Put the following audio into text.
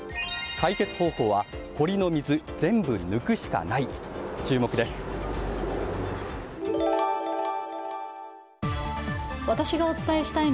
解決方法は堀の水全部抜くしかない？